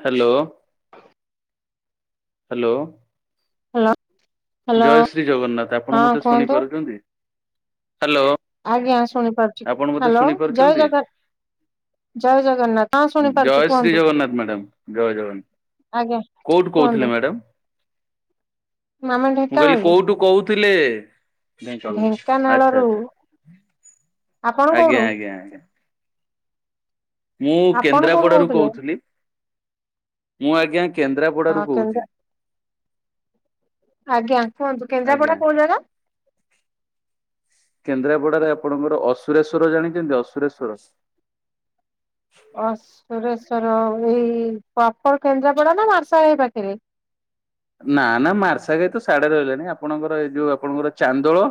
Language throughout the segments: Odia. Hello hello. ହ୍ୟାଲୋ। ହ୍ୟାଲୋ ଜୟ ଶ୍ରୀ ଜଗନ୍ନାଥ ଆପଣ ହଁ ମତେ କୁହନ୍ତୁ ଶୁଣିପାରୁଛନ୍ତି? ହ୍ୟାଲୋ। ଆଜ୍ଞା ଶୁଣିପାରୁ ଆପଣ ମତେ ଶୁଣି ପାରୁଛନ୍ତି? ଜୟ ଜଗନ୍ନାଥ ହଁ ଶୁଣିପାରୁଛି ଜୟ ଶ୍ରୀ କୁହନ୍ତୁ ଜଗନ୍ନାଥ ମ୍ୟାଡ଼ାମ୍। ଜୟ ଜଗନ୍ନାଥ। ଆଜ୍ଞା। କୋଉଠୁ କୁହନ୍ତୁ। କହୁଥିଲେ ମ୍ୟାଡ଼ାମ୍? ଆମେ ମୁଁ କହିଲି ଢେଙ୍କାନାଳରୁ କୋଉଠୁ କହୁଥିଲେ? ଆଚ୍ଛା ଢେଙ୍କାନାଳରୁ ଆଚ୍ଛା। ଆପଣ କୋଉଠୁ? ଆଜ୍ଞା ଆଜ୍ଞା ଆଜ୍ଞା। ମୁଁ ଆପଣ କୋଉଠୁ କେନ୍ଦ୍ରାପଡ଼ା ରୁ କହୁଥିଲେ କହୁଥିଲି। ମୁଁ ଆଜ୍ଞା କେନ୍ଦ୍ରାପ ଅ ପଡ଼ା ରୁ କେନ୍ଦ୍ରା କହୁଛି। ଆଜ୍ଞା କୁହନ୍ତୁ, ଆଜ୍ଞା। କେନ୍ଦ୍ରାପଡ଼ା କୋଉ ଜାଗା? କେନ୍ଦ୍ରାପଡ଼ା ରେ ଆପଣଙ୍କର ଅସୁରେଶ୍ବର ଜାଣିଛନ୍ତି, ଅସୁରେଶ୍ଵର? ଅସୁରେଶ୍ଵର ଏଇ ପ୍ରପର କେନ୍ଦ୍ରାପଡ଼ା, ନା ମାର୍ଶାଘାଇ ପାଖରେ? ନା ନା ମାର୍ସା ଘାଈ ତ ସାଡ଼େ ରହିଲାଣି, ଆପଣଙ୍କର ଏଇ ଯୋଉ ଆପଣଙ୍କର ଚାନ୍ଦୋଳ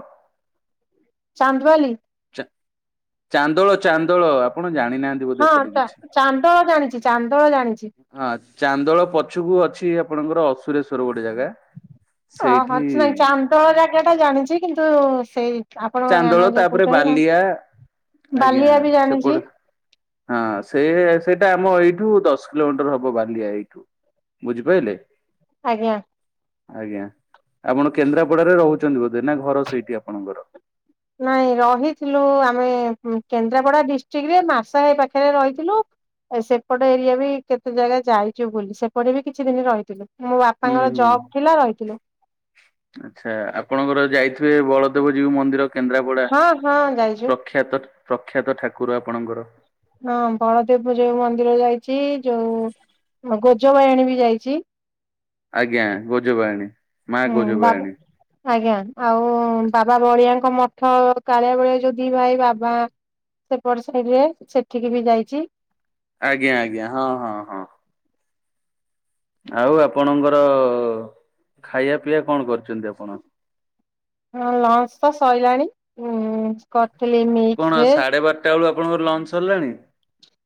ଚାନ୍ଦବାଲି ଚା ଚାନ୍ଦୋଳ, ଚାନ୍ଦୋଳ ଆପଣ ଜାଣିନାହାନ୍ତି! ବୋଧେ ହଁ ଏପଟେ ଚା କିଛି। ଚାନ୍ଦୋଳ ଜାଣିଛି, ଚାନ୍ଦୋଳ ଜାଣିଛି। ହଁ, ଚାନ୍ଦୋଳ ପଛୁକୁ ଅଛି ଆପଣଙ୍କର ଅସୁରେଶ୍ଵର ଗୋଟେ ଜାଗା ଓହୋ ସେଇଠି ସେ ନାଇ ଚାନ୍ଦୋଳ ଜାଗା ଟା ଜାଣିଛି, କିନ୍ତୁ ସେଇ ଆପଣଙ୍କ ଗାଁ ଚାନ୍ଦୋଳ ନାଁ ଯୋଉ କହୁ ତାପରେ ବାଲିଆ, ଆଜ୍ଞା ବି ଜାଣିଛି ସେପଟେ ହଁ, ସିଏ ସେଇଟା ଆମ ଏଇଠୁ ଦଶ କିଲୋମିଟର ହବ ବାଲିଆ ଏଇଠୁ ବୁଝିପାଇଲେ? ଆଜ୍ଞା! ଆଜ୍ଞା, ଆପଣ କେନ୍ଦ୍ରାପଡ଼ାରେ ରହୁଛନ୍ତି ବୋଧେ ନା ଘର ସେଇଠି ଆପଣଙ୍କର? [inaudible] ନାଇଁ ରହିଥିଲୁ, ଆମେ କେନ୍ଦ୍ରାପଡ଼ା ଡିଷ୍ଟ୍ରିକ୍ ରେ ମାର୍ଷା ଘାଇ ପାଖରେ ରହିଥିଲୁ ଏ ସେପଟ ଏରିଆ ବି କେତେ ଜାଗା ଯାଇଛୁ ବୁଲି, ସେପଟେ ବି କିଛି ଦିନି ରହିଥିଲୁ। ମୋ ହୁଁ ବାପାଙ୍କର ହୁଁ ଜବ୍ ଥିଲା ରହିଥିଲୁ। ଆଚ୍ଛା, ଆପଣଙ୍କର ଯାଇଥିବେ ବଳଦେବ ଜିଉ ମନ୍ଦିର କେନ୍ଦ୍ରାପଡ଼ା, ହଁ ହଁ ଯାଇଛୁ। ପ୍ରଖ୍ୟାତ ପ୍ରଖ୍ୟାତ ଠାକୁର ଆପଣଙ୍କର! ହଁ ବଳଦେବ ଜିଉ ମନ୍ଦିର ଯାଇଛି, ଯୋଉ ଗୋଜବାହିଣୀ ବି ଯାଇଚି। ଆଜ୍ଞା, ଗୋଜବାୟାଣୀ ମା ହୁଁ ବାବା ଗୋଜବାୟାଣୀ। ଆଜ୍ଞା, ଆଉ ବାବା ବଳିଆଙ୍କ ମଠ କାଳିଆ ବଳିଆ ଯୋଉ ଦି ଭାଇ ବାବା ସେପଟ ସାଇଡ ରେ ସେଠିକି ବି ଯାଇଛି! ଆଜ୍ଞା, ଆଜ୍ଞା, ହଁ ହଁ ହଁ। ଆଉ ଆପଣଙ୍କର ଖାଇବା ପିଇବା କଣ କରିଛନ୍ତି ଆପଣ? ହଁ ଲଞ୍ଚ ତ ସଇଲାଣି ହୁଁ କରିଥିଲି ଏଇ ମେ କଣ ଆ ସାଢ଼େ ବାରଟା ବେଳୁ ଆପଣଙ୍କର ଲଞ୍ଚ୍ ସରିଲାଣି?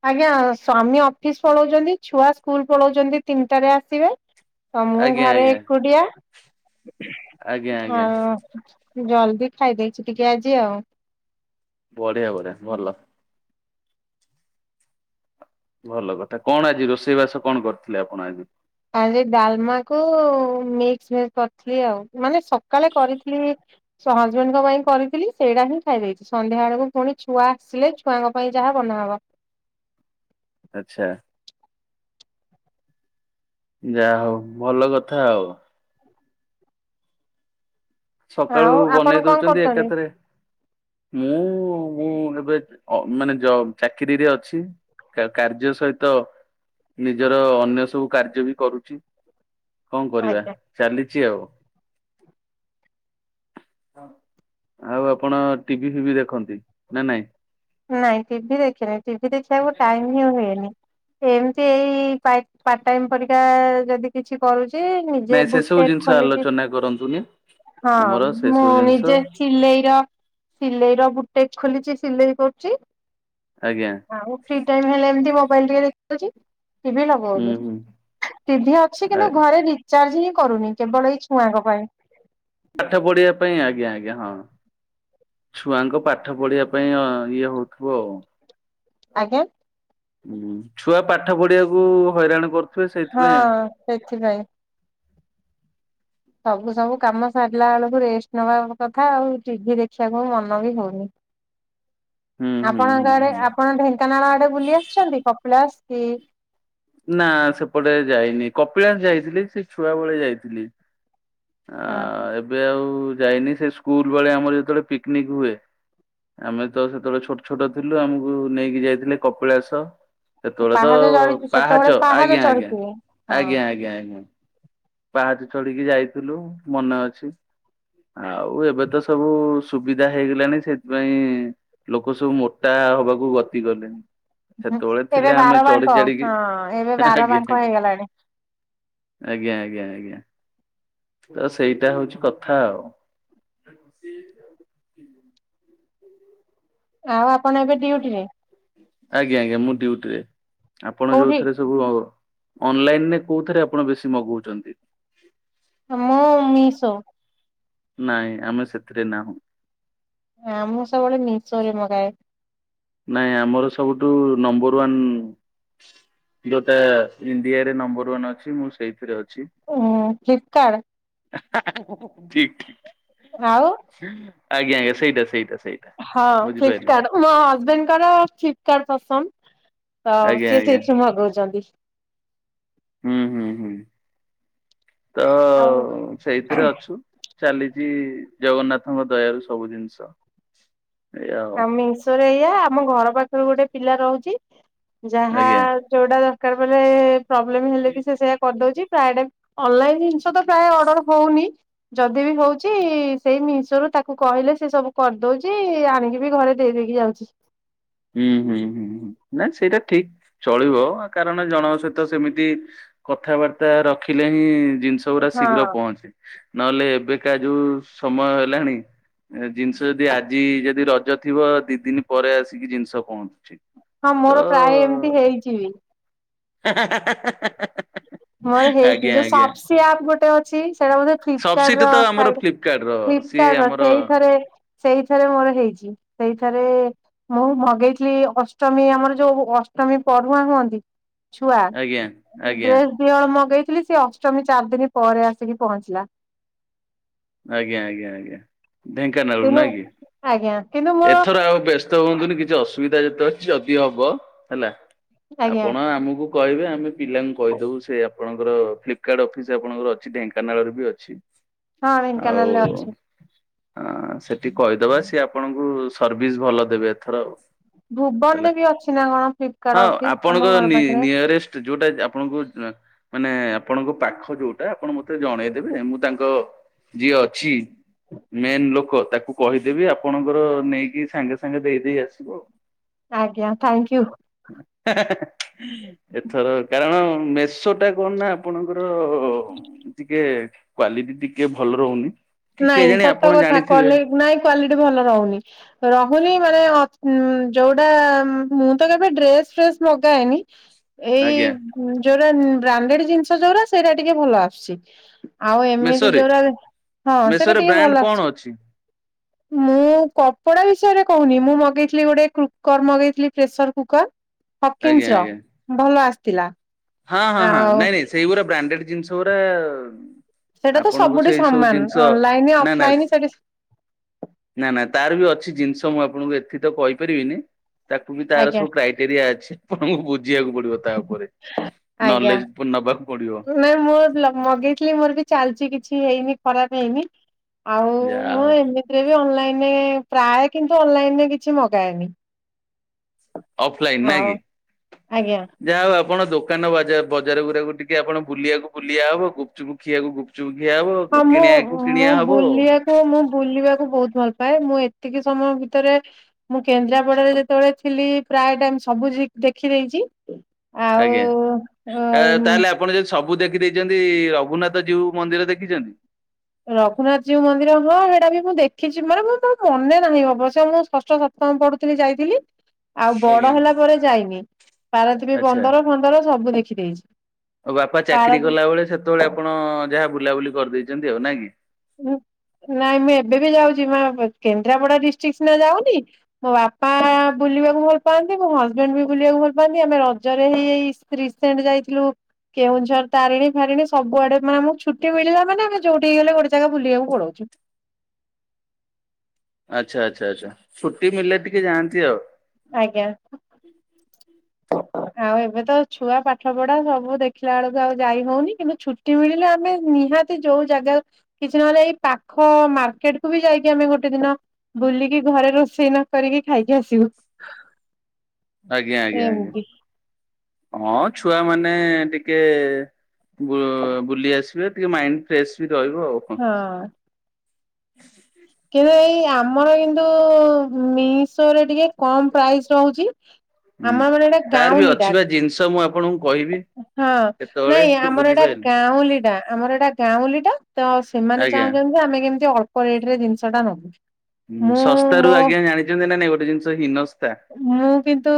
ଆଜ୍ଞା ସ୍ଵାମୀ ଅଫିସ ପଳାଉଛନ୍ତି। ଛୁଆ ସ୍କୁଲ ପଳାଉଛନ୍ତି ତିନିଟାରେ ଆସିବେ ତ ମୁଁ ଆଜ୍ଞା ଘରେ ଆଜ୍ଞା ଏକୁଟିଆ ଆଜ୍ଞା ଆଜ୍ଞା ଆଉ ଜଲଦି ଖାଇଦେଇଛି ଟିକେ ଆଜି ଆଉ। ବଢିଆ ବଢିଆ ଭଲ। ଭଲ କଥା। କଣ ଆଜି ରୋଷେଇବାସ କଣ କରିଥିଲେ ଆପଣ ଆଜି? ଆଜି ଡାଲମାକୁ ମିକ୍ସଭେଜ୍ କରିଥିଲି ଆଉ ମାନେ ସକାଳେ କରିଥିଲି। ହଜବେଣ୍ଡଙ୍କ ପାଇଁ କରିଥିଲି ସେଇଟା ହିଁ ଖାଇ ଦେଇଛି। ସନ୍ଧ୍ୟା ବେଳକୁ ପୁଣି ଛୁଆ ଆସିଲେ ଛୁଆଙ୍କ ପାଇଁ ଯାହା ବନା ହବ। ଆଚ୍ଛା। ଯାହା ହଉ ଭଲ କଥା ଆଉ। ସକାଳୁ ଆଉ ବନେଇ ଆପଣ କଣ ଦଉଛନ୍ତି କରୁଛନ୍ତି ଏକାଥରେ। ମୁଁ ମୁଁ ଏବେ ଅ ମାନେ ଜବ ଚାକିରିରେ ଅଛି। ତା କାର୍ଯ୍ୟ ସହିତ ନିଜର ଅନ୍ୟ ସବୁ କାର୍ଯ୍ୟ ବି କରୁଛି। କଣ କରିବା ଆଜ୍ଞା ଚାଲିଛି ଆଉ। ଆଉ ଆପଣ ଟିଭି ଫିଭି ଦେଖନ୍ତି, ନା ନାଇଁ? ନାଇଁ ଟିଭି ଦେଖିନି ଟିଭି ଦେଖିବାକୁ ଟାଇମ ନାଇଁ ଇ ହୁଏନି ଏମତି ଏଇ ପାଟ ପାର୍ଟ ଟାଇମ ପରିକା ଯଦି କିଛି କରୁଛି ନିଜେ ସେ ସବୁ ବୁଟେକ୍ ଜିନିଷ ଖୋଲିଛି। ଆଲୋଚନା କରନ୍ତୁନି ହଁ ଆମର ସେ ମୁଁ ସବୁ ଜିନିଷ ନିଜେ ସିଲେଇ ର ସିଲେଇ ର ବୁଟେକ୍ ଖୋଲିଛି, ସିଲେଇ କରୁଛି ଆଜ୍ଞା। ଆଉ ଫ୍ରି ଟାଇମ ହେଲେ ଏମତି ମୋବାଇଲ ଟିକେ ଦେଖିଦଉଛି। ଟିଭି ହୁଁ ଲଗଉନି ହୁଁ ଟିଭି ଅଛି ଆ କିନ୍ତୁ ଘରେ ରି ଚାର୍ଜ ହିଁ କରୁନି କେବଳ ଏଇ ଛୁଆଙ୍କ ପାଇଁ। ପାଠ ପଢିବା ପାଇଁ ଆଜ୍ଞା ଆଜ୍ଞା ହଁ। ଛୁଆଙ୍କ ପାଠ ପଢିବା ପାଇଁ ଇଏ ହଉଥିବ ଆଉ। ଆଜ୍ଞା। ହୁଁ ଛୁଆ ପାଠ ପଢିବାକୁ ହଇରାଣ କରୁ ହଁ ସେଥିପାଇଁ। ସବୁ ସବୁ କାମ ସାରିଲା ବେଳକୁ ରେଷ୍ଟ ନବା କଥା ଆଉ ଟିଭି ଦେଖିବାକୁ ମନ ବି ହଉନି। ହୁଁ। ହୁଁ ହୁଁ ଆପଣଙ୍କ ଆଡେ ହୁଁ। ଆପଣ ଢେଙ୍କାନାଳ ଆଡେ ବୁଲି ଆସିଛନ୍ତି କପିଳାସ କି ନା ସେପଟେ ଯାଇନି କପିଳାସ ଯାଇଥିଲି ସେ ଛୁଆ ବେଳେ ଯାଇଥିଲି। ଆ ହଁ ଏବେ ଆଉ ଯାଇନି। ସେ ସ୍କୁଲ ବେଳେ ଆମର ଯେତେଳେ ପିକନିକ ହୁଏ ଆମେ ତ ସେତେବେଳେ ଛୋଟ ଛୋଟ ଥିଲୁ ଆମକୁ ନେଇକି ଯାଇଥିଲେ କପିଳାସ। ସେତେବେଳେ ତ ପାହାଚ ଚଢି ସେତେବେଳେ ପାହାଚ ଆଜ୍ଞା ଆଞା ଚଢିଥିବେ ଆଜ୍ଞା ହଁ। ଆଜ୍ଞା ଆଞା। ପାହାଚ ଚଢିକି ଯାଇଥିଲୁ ମନେ ଅଛି। ଆଉ ଏବେ ତ ସବୁ ସୁବିଧା ହେଇଗଲାଣି ସେଥିପାଇଁ ଲୋକ ସବୁ ମୋଟା ହବାକୁ ଗତି କଲେଣି। ସେତେବେଳେ ଏବେ ଥିଲା ଆମେ ବାର ଚଢି ବାଙ୍କ ଚଢିକି ହଁ ଏବେ ବାର ଆଞା ବାଙ୍କ ଆ ହେଇଗଲାଣି। ଆଜ୍ଞା ଆଜ୍ଞା ଆଜ୍ଞା ତ ସେଇଟା ହଉଛି କଥା ଆଉ। [unintelligible] ହ ହୁଁ ଆଉ ଆପଣ ଏବେ ଡିଉଟି ରେ? ଆଜ୍ଞା ଆଜ୍ଞା ମୁଁ ଡିଉଟିରେ। ଆପଣ କୋଉଠି ଯୋଉଥିରେ ସବୁ ଅ ଅନଲାଇନ ରେ କୋଉଥିରେ ଆପଣ ବେଶୀ ମଗଉଛନ୍ତି? ମୁଁ ମିଶୋ। ନାଇଁ ଆମେ ସେଥିରେ ନାହୁଁ। ଆ ମୁଁ ସବୁବେଳେ ମିସୋରେ ମଗାଏ। ନାଇଁ ଆମର ସବୁଠୁ ନମ୍ବର ୱାନ୍ ଯୋଉଟା ଇଣ୍ଡିଆରେ ନମ୍ବର ୱନ୍ ଅଛି ମୁଁ ସେଇଥିରେ ଅଛି। ଉଁ ଫ୍ଲିପ୍ କାର୍ଡ଼। ଠିକ୍ ଠିକ୍। ହାଉ ଆଜ୍ଞା ଆଜ୍ଞା ସେଇଟା ସେଇଟା ସେଇ ହଁ ଫ୍ଲିପକାର୍ଡ଼ ମୋ ହଜ୍ବେଣ୍ଡ ଙ୍କର ଫ୍ଲିପକାର୍ଡ଼ ପସନ୍ଦ। ତ ଆଜ୍ଞା ସେ ଆଜ୍ଞା ସେଇଠୁ ମଗଉଚନ୍ତି। ହୁଁ ହୁଁ ହୁଁ ତ ଆଉ ସେଇଥିରେ ଅଛୁ। ଚାଲିଚି ଜଗନ୍ନାଥଙ୍କ ଦୟାରୁ ସବୁ ଜିନିଷ। ଏଇଆ ଆଉ। ଆମେ ଈଶରେ ଏଇଆ ଆମ ଘର ପାଖରୁ ଗୋଟେ ପିଲା ରହୁଛି ଯାହା ଆଜ୍ଞା। ଯୋଉଟା ଦରକାର ପ୍ରୋବ୍ଲେ ହେଲେ କି ସେ ସେଇୟା କରିଦଉଛି ପ୍ରାୟ ଅନଲ ଜି ତ ପ୍ରାୟ ଅର୍ଡର ହଉନି। ଯଦି ବି ହଉଚି ସେଇ ମିଷରୁ ତାକୁ କହିଲେ ସେ ସବୁ କରିଦଉଚି ଆଣିକି ବି ଘରେ ଦେଇଦେଇକି ଯାଉଛି। ହୁଁ ହୁଁ ହୁଁ ହୁଁ ନାଇଁ ସେଇଟା ଠିକ୍ ଚଳିବ କାରଣ ଜଣଙ୍କ ସହିତ ସେମିତି କଥାବାର୍ତ୍ତା ରଖିଲେ ହିଁ ଜିନିଷ ଗୁଡା ହଁ। ଶୀଘ୍ର ପହଞ୍ଚେ। ନଏଲେ ଏବେକା ଯୋଉ ସମୟ ହେଲାଣି ଏ ଜିନିଷ ଯଦି ଆଜି ଯଦି ରଜ ଥିବ ଦି ଦିନ ପରେ ଆସିକି ଜିନିଷ ପହଞ୍ଚୁଛି। ହଁ ତ ମୋର ପ୍ରାୟ ଏମିତି ହେଇଛି ବି। ହା [unintelligible] ମୋର ହେଇଚି ଯୋଉ ସପ୍ସି ଆପ୍ ଗୋଟେ ଅଛି ସେଇଟା ବୋଧେ ସବସିଟି ଫିଫ୍କାର୍ଡ଼ରେ ତ ଆମର ଥାଏ। ର ସିଏ ଫ୍ଲିପକାର୍ଟ ର ଆମର ସେଇଥରେ ସେଇଥରେ ମୋର ହେଇଛି ସେଇଥରେ ମୁଁ ମଗେଇଥିଲି ଅଷ୍ଟମୀ ଆମର ଯୋଉ ଅଷ୍ଟମୀ ପରୁୁଆଁ ହୁଅନ୍ତି। ଛୁଆ ଆଜ୍ଞା ଆଜ୍ଞା ଡ୍ରେସ ଦିହଳ ମଗେଇଥିଲି ସେ ଅଷ୍ଟମୀ ଚାରି ଦିନ ପରେ ଆସିକି ପହଞ୍ଚିଲା। ଆଜ୍ଞା ଆଜ୍ଞା ଆଜ୍ଞା ଢେଙ୍କାନାଳରୁ କିନ୍ତୁ ନାକି ଆଜ୍ଞା କିନ୍ତୁ ମୋର ଏଥର ଆଉ ବ୍ୟସ୍ତ ବ୍ୟସ୍ତହୁଅନ୍ତୁନି କିଛିଅସୁବିଧା ଯେତେ ଅଛି ଯଦି ହବ ହେଲା ଆଜ୍ଞା ଆପଣ ଆମକୁ କହିବେ ଆମେ ପିଲାଙ୍କୁ କହିଦବୁ ସେ ଆପଣଙ୍କର ଫ୍ଲିକାର୍ଡ ଅଫିସ ଆପଣଙ୍କର ଅଛି ଢେଙ୍କାନାଳରେବି ଅଛି। ହଁ ଆଉ ଢେଙ୍କାନାଳରେ ଅଛି। ହଁ ସେଠି କହିଦବା ସିଏ ଆପଣଙ୍କୁ ସର୍ଭିସ ଭଲ ଦେବେ ଏଥର ଆଉ ହେଲା। ଭୁବନରେବି ଅଛିନା କଣ ଫ୍ଲିପକାର୍ଟ ହଁ ଅଫିସ ଆପଣଙ୍କ ଆମ ଘର ନି ପାଖରେ ନିୟରେଷ୍ଟ ଯୋଉଟା ଆପଣଙ୍କୁ ମାନେ ଆପଣଙ୍କ ପାଖ ଯୋଉଟା ଆପଣ ମତେ ଜଣେଇଦେବେ ମୁଁ ତାଙ୍କ ଯିଏ ଅଛି ମେନ ଲୋକ ତାକୁ କହିଦେବି ଆପଣଙ୍କର ନେଇକି ସାଙ୍ଗେ ସାଙ୍ଗେ ଦେଇଦେଇ ଆସିବ ଆଜ୍ଞା ଥ୍ଯାଙ୍କୁ। ହେ ହେ ଏଥର କାରଣ ମେସ ସୋଟା କଣନା ଆପଣଙ୍କର ଟିକେ କ୍ଵାଲିଟି ଟିକେ ଭଲରହୁନି ନାଇଁ ସତକଥା କ୍ଵାଲି ନାଇଁ କ୍ଵାଲିଟି ଭଲ ରହୁନି ରହୁନି ମାନେ ଯୋଉଟା ମୁଁ ତ କେବେ ଡ୍ରେସ ଫ୍ରେସ ମଗାଏନି ଏଇ ଆଜ୍ଞା ଯୋଉରା ବ୍ରାଣ୍ଡେଡ ଜିନିଷ ଯୋଉରା ସେଇଟା ଟିକେ ଭଲ ଆସୁଛି। ଆଉ ଏମିତି ମେସୋରେ ଯୋରା ମେସୋରେ ବ୍ରାଣ୍ଡ କଣ ଅଛି? ମୁଁ କପଡା ବିଷୟରେ କହୁନି ମୁଁ ମଗେଇଥିଲି ଗୋଟେ କୁକର ମଗେଇଥିଲି ପ୍ରେସର କୁକର ଆଜ୍ଞା ହକିନ୍ସର ଆଜ୍ଞା ଭଲ ଆସିଥିଲା। ହଁ ହଁ ହଁ ଆଉ ନାଇଁ ନାଇଁ ସେଇଗୁରା ବ୍ରାଣ୍ଡେଡ ଜିନିଷଗୁରା ସେଇଟା ତ ଆପଣଙ୍କୁ ସବୁଠି ସେଇ ସବୁ ସମାନ ଜିନିଷ ଅନଲାଇନ ନା ନା ଅଫଲାଇନ ସେଠି ନା ନା ତାରବି ଅଛି ଜିନିଷ ମୁଁ ଆପଣଙ୍କୁ ଏଥିତ କହିପାରିବିନି। ତାକୁବି ତାର ଆଜ୍ଞା ସବୁ କ୍ରାଇଟେରିଆ ଅଛି ଆପଣଙ୍କୁ ବୁଝିବାକୁ ପଡିବ ତାଉପରେ। ଆଜ୍ଞା ନଲେଜ ପୁଣି ନବାକୁ ପଡିବ। ନାଇଁ ମୋର ମଗେଇଥିଲି ମୋର ବି ଚାଲିଛି କିଛି ହେଇନି ଖରାପ ହେଇନି। ଆଉ ଯାହା ମୁଁ ହଉ ଏମିତିରେ ବି ଅନଲାଇନ ପ୍ରାୟ କିନ୍ତୁ ଅନଲାଇନରେ କିଛି ମଗାଏନି। ଅଫଲାଇନ ଆଉ ନାଇକି? ଆଜ୍ଞା ଯାହା ହଉ ଆପଣ ଦୋକାନ ବଜା ବଜାର ଗୁରାକୁ ଟିକେ ଆପଣ ବୁଲିବାକୁ ବୁଲିବା ହବ ଗୁପଚୁପ ଖିଆକୁ ଗୁପଚୁପ ଗୁପୁଚୁପ ଖିଆହବ। ହଁ ମୁଁ ମୁଁ ବୁଲିବାକୁ ମୁଁ ବୁଲିବାକୁ ବୋହୁତ ଭଲପା ପାଏ ମୁଁ ଏତିକି ସମୟ ଭିତରେ ମୁଁ କେନ୍ଦ୍ରାପଡାରେ ଯେତେବେଳେ ଥିଲି ପ୍ରାୟ ଟାଇମ ସବୁ ଦେଖିଦେଇଚି। ଆଜ୍ଞା ତା ତାହେଲେ ଆପ ଆପଣ ଯଦି ସବୁ ଦେଖିଦେଇଛନ୍ତି ରଘୁନାଥ ଜୀଉ ମନ୍ଦିର ଦେଖିଛନ୍ତି? ରଘୁନାଥ ଜୀଉ ମନ୍ଦିର ହଁ ସେଇଟାବି ମୁଁ ଦେଖିଚି, ମାନେ ମୁଁ ତ ମନେ ନାହିଁ ଅବଶ୍ୟ ମୁଁ ଷଷ୍ଠ ସପ୍ତମ ପଢୁଥିଲି ଯାଇଥିଲି। ଆଉ ବଡ ଆଜ୍ଞା ହେଲା ପରେ ଯାଇନି, ପାରାଦୀପ ଆଚ୍ଛା ବନ୍ଦର ଫନ୍ଦର ସବୁ ଦେଖିଦେଇଚି। ମୋ ବାପା ଚାକିରି କଲା ଯେତେବେଳେ ଆପଣ ଯାହା ବୁଲାବୁଲି କରିଦେଇଛନ୍ତି ଆଉ ନାଇଁକି? ନାଇଁ ମୁଁ ଏବେବି ଯାଉଛି ମା କେନ୍ଦ୍ରାପଡ଼ା ଡିଷ୍ଟ୍ରିକ ସିନା ଯାଉନି। ମୋ ବାପା ବୁଲିବାକୁ ଭଲ ପାଆନ୍ତି ମୋ ହଜବେଣ୍ଡ ବି ବୁଲିବାକୁ ଭଲ ପାଆନ୍ତି, ଆମେ ରଜରେ ହେଇଚି ରିସେଣ୍ଟ ଯାଇଥିଲୁ। କେଉଁଝର ତାରିଣୀ ଫାରିଣୀ ସବୁଆଡେ ମାନେ ଆମକୁ ଛୁଟି ମିଳିଲା ମାନେ ଆମେ ଯୋଉଠି ହେଲେ ଗୋଟେ ଗୋଟେ ଜାଗା ବୁଲିବାକୁ ପଳଉ ଆଚ୍ଛା ଆଚ୍ଛା ଆଚ୍ଛା ଛୁଟି ମିଳିଲେ ଟିକେ ଯାଆନ୍ତି ଆଉ। ଆଜ୍ଞା। ଆଉ ଏବେତ ଛୁଆ ପାଠ ପଢା ସବୁ ଦେଖିଲାବେଳକୁ ଆଉ ଯାଇହଉନି, କିନ୍ତୁ ଛୁଟି ମିଳିଲେ ଆମେ ନିହାତି ଯୋଉ ଜାଗା କିଛି ନହଲେ ଏଇ ପାଖ ମାର୍କେଟ କୁ ବି ଯାଇକି ଆମେ ଗୋଟେ ଦିନ ବୁଲିକି ଘରେ ରୋଷେଇ ନ କରିକି ଖାଇକି ଆସିବୁ। ଆଜ୍ଞା ଆଜ୍ଞା ଆଜ୍ଞା ଏମିତି ହଁ ଛୁଆ ମାନେ ଟିକେ ବୁଲି ଆସିବେ ଟିକେ ମାଇଣ୍ଡ ଫ୍ରେଶ ବି ରହିବ ଆଉ। କଣ। ହଁ। କିନ୍ତୁ ଏଇ ଆମର କିନ୍ତୁ ମିଶୋ ରେ ଟିକେ କମ ପ୍ରାଇସ ରହୁଛି। ହୁଁ ଆମର ମାନେ ଏଇଟା ତାର ବି ଗାଉଁଲିଟା ଅଛି ବା ଜିନିଷ ମୁଁ ଆପଣଙ୍କୁ କହିବି। ହଁ କେତେବେଳେ ନାଇଁ ଆମର ଏଇଟା ବୁଝିପାରିଲେ। ଗାଉଁଟା ଆମର ଏଟା ଗାଉଁଲିଟା ତ ସେମାନେ ଆଜ୍ଞା ଚାହୁଁଛନ୍ତି ଆମେ କେମିତି ଅଳ୍ପ ରେଟ ରେ ଜିନିଷ ଟା ନେବୁ। ହୁଁ ଶସ୍ସ୍ତତା ରୁ ଆଜ୍ଞା ଜାଣିଛନ୍ତି ନା ନାଇଁ ଗୋଟେ ଜିନିଷ ହୀନସ୍ତା। ମୁଁ କିନ୍ତୁ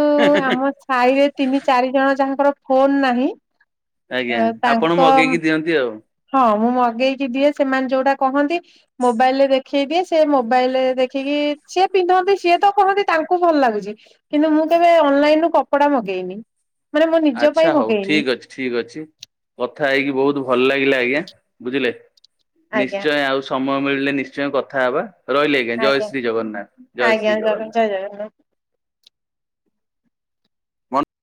ଆମ ସାହିରେ ତିନି ଚାରି ଜଣ ଯାହାଙ୍କର ଫୋନ ନାହିଁ ଆଜ୍ଞା ଆପଣ ତାଙ୍କ ମଗେଇକି ଦିଅନ୍ତି ଆଉ। ହଁ ମୁଁ ମଗେଇକି ଦିଏ ସେମାନେ ଯୋଉଟା କହନ୍ତି ମୋବାଇଲ ରେ ଦେଖେଇ ଦିଏ ସେ ମୋବାଇଲରେ ଦେଖିକି ସିଏ ପିନ୍ଧନ୍ତି ସିଏ ତ କହନ୍ତି ତାଙ୍କୁ ଭଲ ଲାଗୁଚି। କିନ୍ତୁ ମୁଁ କେବେ ଅନଲାଇନ ରୁ କପଡା ମଗେଇନି ମାନେ ମୋ ନିଜ ଆଚ୍ଛା ପାଇଁ ହଉ ଠିକ ମଗେଇନି। ଅଛି ଠିକ ଅଛି କଥା ହେଇକି ବହୁତ ଭଲ ଲାଗିଲା ଆଜ୍ଞା ବୁଝିଲେ। ଆଜ୍ଞା ନିଶ୍ଚୟ ଆଉ ସମୟ ମିଳିଲେ ନିଶ୍ଚୟ କଥା ହବା। ରହିଲେ ଆଜ୍ଞା ଜୟ ଶ୍ରୀ ଜଗନ୍ନାଥ ଜୟ ଆଜ୍ଞା ଶ୍ରୀ ଜଗନ୍ନାଥ। [unintelligible] [unintelligible]